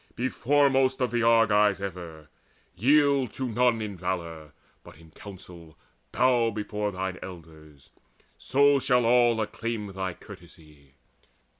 Be foremost of the Argives ever; yield To none in valour, but in council bow Before thine elders: so shall all acclaim Thy courtesy.